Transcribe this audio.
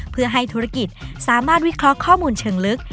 เพื่อให้ธุรกิจสามารถวิเคราะห์ข้อมูลเชิงลึก